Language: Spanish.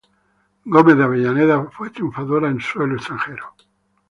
Gómez de Avellaneda fue triunfadora en suelo extranjero.